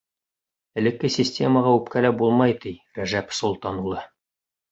— Элекке системаға үпкәләп булмай, — ти Рәжәп Солтан улы.